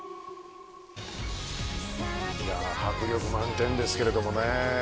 迫力満点ですけれどもね。